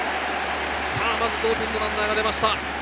まず同点のランナーが出ました。